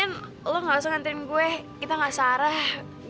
ah gak apa kok pi lagi lo gak langsung hantarin gue kita gak bisa berdua aja ya